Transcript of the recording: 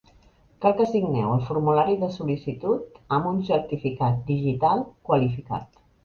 Cal que signeu el formulari de sol·licitud amb un certificat digital qualificat.